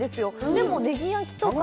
でもねぎ焼きとか。